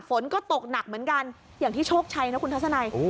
ฝนก็ตกหนักเหมือนกันอย่างที่โชคชัยนะคุณทัศนัย